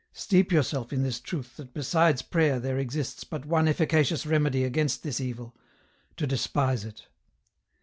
" Steep yourself in this truth that besides prayer there exists but one efficacious remedy against this evil, to despise it.